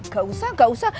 gak usah gak usah